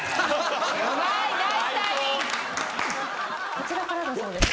こちらからだそうです。